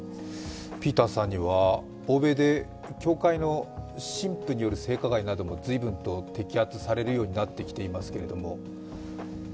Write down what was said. ピーターさんには、欧米で教会の神父による性加害なども随分と摘発されるようになってきていますけれども。